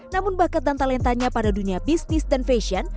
namun bakat dan talentanya pada dunia bisnis dan fashion